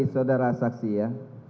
saudara saksi ya